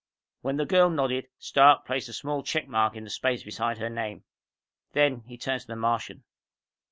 When the girl nodded, Stark placed a small check mark in the space beside her name. Then he turned to the Martian.